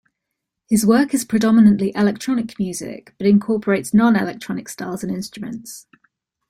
His work is predominantly electronic music but incorporates non-electronic styles and instruments.